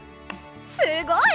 すごい！